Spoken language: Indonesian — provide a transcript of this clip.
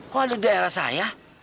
kok ada di daerah saya